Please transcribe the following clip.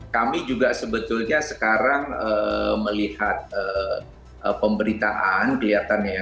kami juga sebetulnya sekarang melihat pemberitaan kelihatannya ya